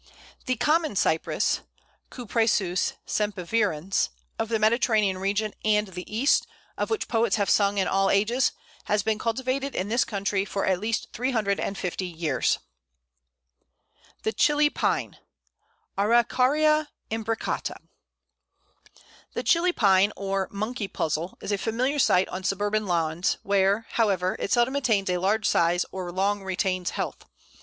The Common Cypress (Cupressus sempervirens) of the Mediterranean region and the East, of which poets have sung in all ages, has been cultivated in this country for at least three hundred and fifty years. [Illustration: Pl. 174. Bole of Lawson's Cypress.] The Chili Pine (Araucaria imbricata). The Chili Pine, or "Monkey Puzzle," is a familiar sight on suburban lawns, where, however, it seldom attains a large size or long retains health.